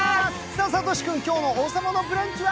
慧君、今日の「王様のブランチ」は？